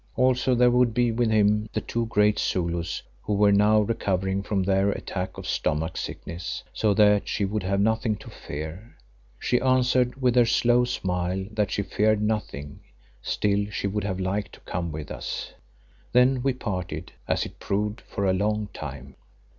Also there would be with him the two great Zulus who were now recovering from their attack of stomach sickness, so that she would have nothing to fear. She answered with her slow smile that she feared nothing, still, she would have liked to come with us. Then we parted, as it proved for a long time.